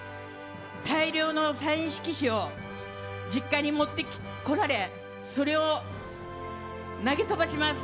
大量のサイン色紙を実家に持ってこられそれを投げ飛ばします。